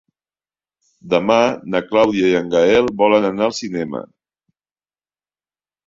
Demà na Clàudia i en Gaël volen anar al cinema.